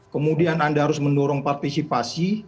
kemudian anda harus mendorong partisipasi